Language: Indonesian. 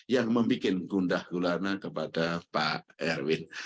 yang membuat gundah gulana kepada pak erwin